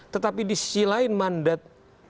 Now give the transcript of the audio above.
tetapi di sisi lain mandat